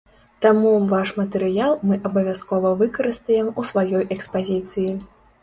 Таму ваш матэрыял мы абавязкова выкарыстаем у сваёй экспазіцыі.